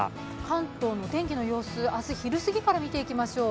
関東の天気の様子、明日昼過ぎから見ていきましょう。